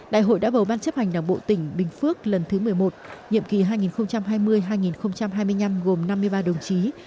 đại hội đã bầu ban chấp hành đảng bộ tỉnh bình phước lần thứ một mươi một nhiệm kỳ hai nghìn hai mươi hai nghìn hai mươi năm gồm năm mươi ba đồng chí